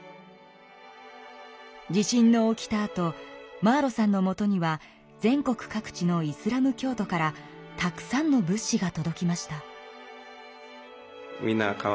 地震の起きたあとマーロさんのもとには全国各地のイスラム教徒からたくさんの物資がとどきました。